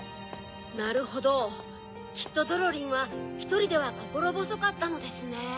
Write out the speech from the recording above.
なるほどきっとドロリンはひとりではこころぼそかったのですね。